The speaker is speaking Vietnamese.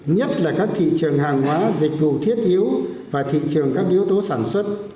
nhất là các thị trường hàng hóa dịch vụ thiết yếu và thị trường các yếu tố sản xuất